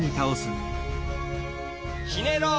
ひねろう。